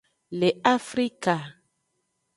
Le afrka.